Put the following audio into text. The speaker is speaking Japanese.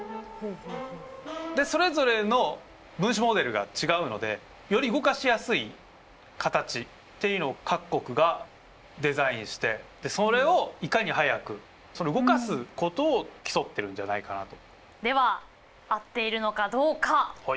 それぞれの分子モデルが違うのでより動かしやすい形っていうのを各国がデザインしてそれをいかに速く動かすことを競ってるんじゃないかなと。